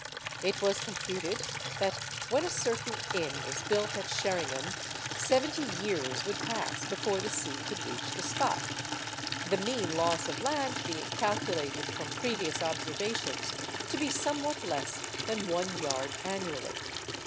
It was computed that when a certain inn was built at Sherringham, seventy years would pass before the sea could reach the spot: 'the mean loss of land being calculated from previous observations to be somewhat less than one yard annually.